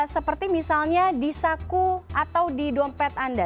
seperti misalnya di saku atau di dompet anda